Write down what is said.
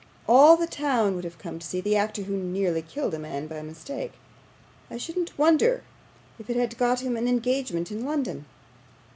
All the town would have come to see the actor who nearly killed a man by mistake; I shouldn't wonder if it had got him an engagement in London.